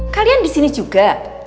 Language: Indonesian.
kalian disini juga